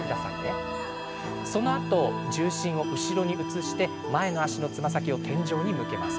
そのあと重心を後ろに移して前の足のつま先を天井に向けます。